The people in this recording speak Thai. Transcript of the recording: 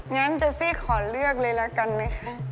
งั้นเจซี่ขอเลือกเลยละกันนะคะ